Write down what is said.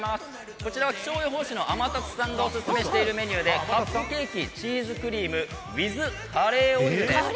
こちらは気象予報士の天達さんがオススメしているものでカップケーキ×チーズケーキｗｉｔｈカレーオイルです。